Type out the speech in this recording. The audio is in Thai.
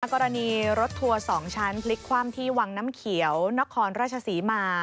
กรณีรถทัวร์๒ชั้นพลิกคว่ำที่วังน้ำเขียวนครราชศรีมา